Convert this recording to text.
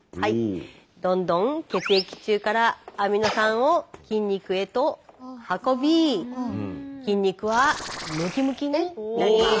どんどん血液中からアミノ酸を筋肉へと運び筋肉はムキムキになります。